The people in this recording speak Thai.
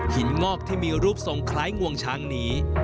งอกที่มีรูปทรงคล้ายงวงช้างนี้